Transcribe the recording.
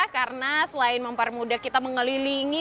karena selain mempermudah kita mengelilingi